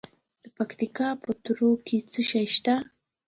د پکتیکا په تروو کې څه شی شته؟